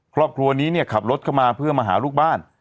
ครอบครัวนี้เนี่ยขับรถเข้ามาเพื่อมาหาลูกบ้าน